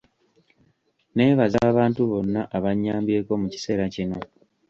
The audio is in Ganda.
Neebaza abantu bonna abannyambyeko mu kiseera kino.